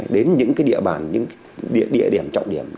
đến những địa điểm trọng điểm